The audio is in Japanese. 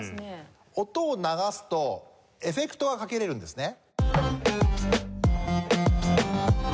音を流すとエフェクトがかけられるんですね。